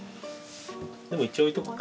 でも一応置いとくか。